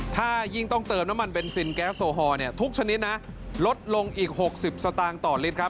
ถ้ายิ่งต้องเติมน้ำมันเบนซินแก๊สโซฮอลทุกชนิดนะลดลงอีก๖๐สตางค์ต่อลิตรครับ